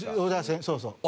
そうそう。